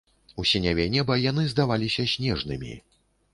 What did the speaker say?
У сіняве неба яны здаваліся снежнымі.